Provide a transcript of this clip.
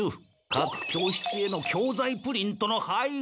かく教室への教ざいプリントの配布！